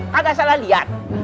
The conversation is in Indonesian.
tak salah lihat